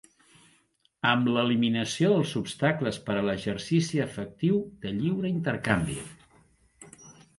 amb l'eliminació dels obstacles per a l'exercici efectiu de lliure intercanvi